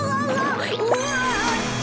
うわ！